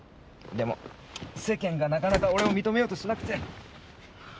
でも世間がなかなか俺を認めようとしなくて。